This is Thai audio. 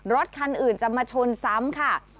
รถคันอื่นจะมาชนซ้ำค่ะ